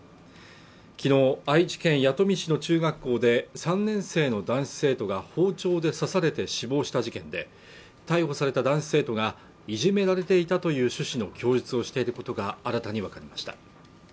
昨日愛知県弥富市の中学校で３年生の男子生徒が包丁で刺されて死亡した事件で逮捕された男子生徒がいじめられていたという趣旨の供述をしていることが新たに分かりました